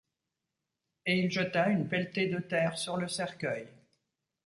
Et il jeta une pelletée de terre sur le cercueil.